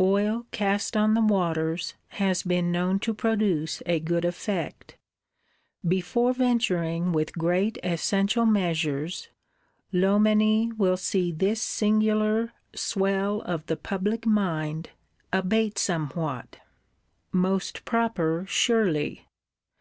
Oil cast on the waters has been known to produce a good effect. Before venturing with great essential measures, Loménie will see this singular "swell of the public mind" abate somewhat. Most proper, surely.